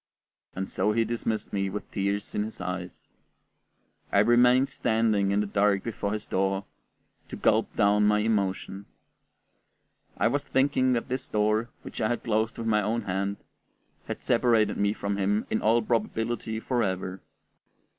And so he dismissed me with tears in his eyes. I remained standing in the dark before his door, to gulp down my emotion. I was thinking that this door, which I had closed with my own hand, had separated me from him in all probability forever.